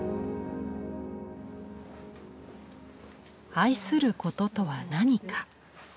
「愛することとは何か」。